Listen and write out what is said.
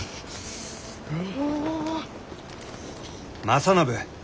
正信。